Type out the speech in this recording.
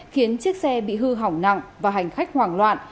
khiến chiếc xe bị hư hỏng nặng và hành khách hoảng loạn